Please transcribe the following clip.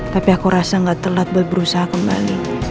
tapi aku rasa nggak terlalu lama untuk berusaha kembali